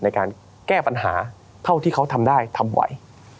ในการแก้ปัญหาเท่าที่เขาทำได้ทำไหว